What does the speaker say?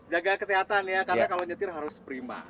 jaga kesehatan ya karena kalau nyetir harus prima